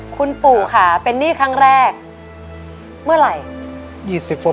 คุณปู่ค่ะเป็นหนี้ครั้งแรกเมื่อไหร่